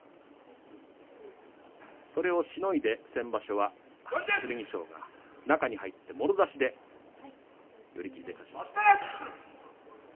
それをしのいで先場所は剣翔が中に入ってもろ差しで寄り切りで勝ちました。